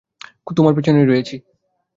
তোমার পেছনেই রয়েছি।